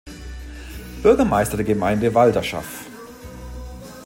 Bürgermeister der Gemeinde Waldaschaff.